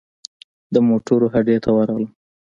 د موټرو هډې ته ورغلم.